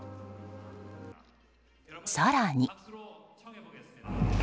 更に。